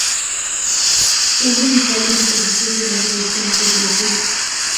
Son los principales antagonistas durante dos temporadas de la serie.